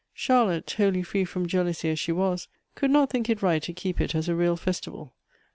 Charlotte wholly free from jealousy as she was, could not tliink it right to keep it as a real festival.